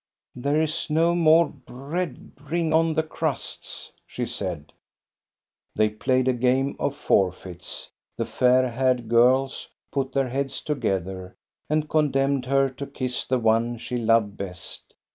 " There is no more bread, bring on the crusts," she said. They played a game of forfeits. The fair haired girls put their heads together and condemned her to kiss the one she loved best.